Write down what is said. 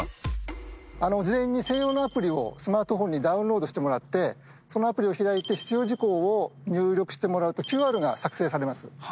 事前に専用のアプリをスマートフォンにダウンロードしてもらってそのアプリを開いて必要事項を入力してもらうとＱＲが作成されます。